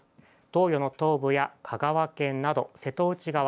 東予の東部や香川県など、瀬戸内側。